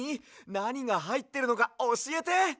なにがはいってるのかおしえて！